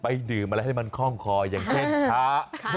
ดื่มอะไรให้มันคล่องคออย่างเช่นช้า